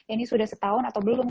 ini sudah setahun atau belum